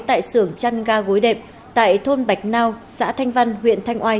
tại xưởng chăn ga gối đệm tại thôn bạch nao xã thanh văn huyện thanh oai